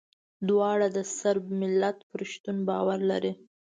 دواړه د صرب ملت پر شتون باور لري.